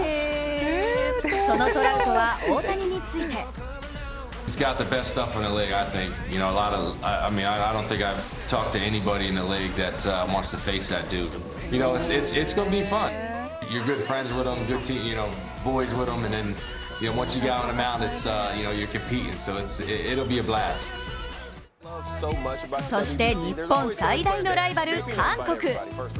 そのトラウトは大谷についてそして日本最大のライバル、韓国。